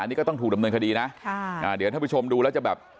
นี่ก็ต้องถูกดำเนินคดีนะค่ะอ่าเดี๋ยวท่านผู้ชมดูแล้วจะแบบ